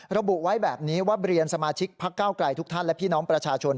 ระบุไว้แบบนี้ว่าเรียนสมาชิกพักเก้าไกลทุกท่านและพี่น้องประชาชน